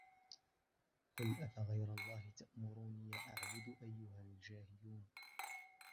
قُلْ أَفَغَيْرَ اللَّهِ تَأْمُرُونِّي أَعْبُدُ أَيُّهَا الْجَاهِلُونَ